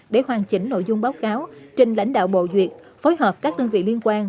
để hoàn chỉnh nội dung báo cáo trình lãnh đạo bộ duyệt phối hợp các đơn vị liên quan